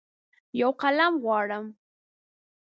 یوقلم غواړم